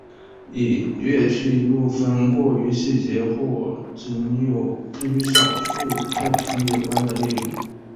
已略去一部分过于细节或仅与其中少数作品有关的内容。